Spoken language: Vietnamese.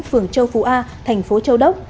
phường châu phú a thành phố châu đốc